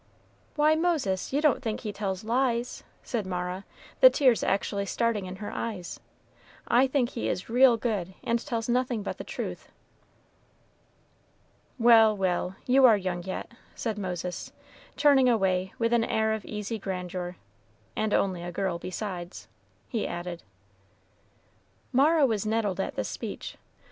"Why, Moses, you don't think he tells lies?" said Mara, the tears actually starting in her eyes. "I think he is real good, and tells nothing but the truth." "Well, well, you are young yet," said Moses, turning away with an air of easy grandeur, "and only a girl besides," he added. Mara was nettled at this speech.